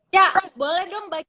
ya boleh dong bagi